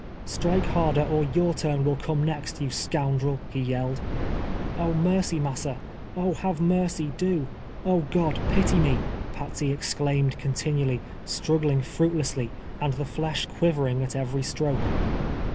" Strike harder, or your turn will come next, you scoundrel," he yelled. " Oh, mercy, massa !— oh I have mercy, do. Oh, God ! pity me," Patsey exclaimed continually, strug gling fruitlessly, and the llesh quivering at every stroke.